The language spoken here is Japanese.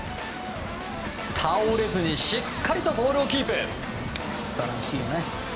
倒れずにしっかりとボールをキープ！